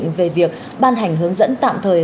hẹn gặp lại